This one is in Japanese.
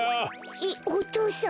えっお父さん？